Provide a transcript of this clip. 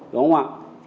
đúng không ạ